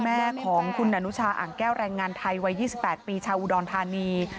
คุณพ่อและคุณแม่ของคุณอนุชาอังแก้วแรงงานไทยวัย๒๘ปีชาวอุดรธานี